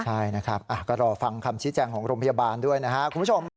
ใช่นะครับก็รอฟังคำชี้แจงของโรงพยาบาลด้วยนะครับคุณผู้ชม